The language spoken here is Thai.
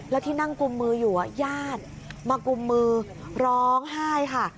แล้วที่นั่งกุมมืออยู่ญาติมากุมมือร้องไห้ค่ะ